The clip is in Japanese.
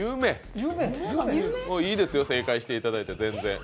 いいですよ、正解していただいて、全然。